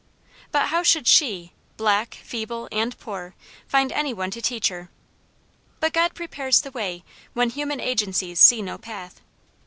But how should SHE, black, feeble and poor, find any one to teach her. But God prepares the way, when human agencies see no path.